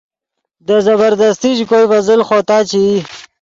دے زبردستی ژے کوئے ڤے زل خوتا چے ای